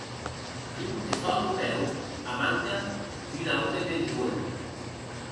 Jo que sò Romèu, a manca de un aute mès joen.